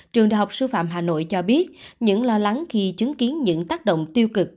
trường đại học sư phạm hà nội cho biết những lo lắng khi chứng kiến những tác động tiêu cực